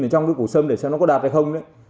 ở trong củ sâm để xem nó có đạt hay không đấy